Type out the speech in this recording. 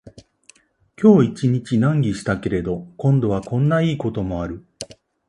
今日一日難儀したけれど、今度はこんないいこともある